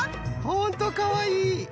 ホントかわいい。